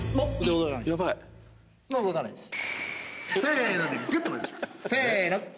もう動かないです。